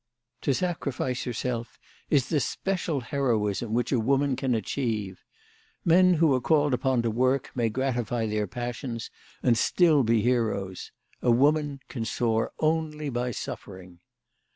To sacrifice herself is the special heroism which a woman can achieve. Men who are called upon to work may gratify their passions and still be heroes. A woman can soar only by suffering.